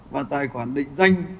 và tài khoản định danh